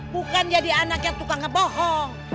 bukan jadi anak yang suka ngebohong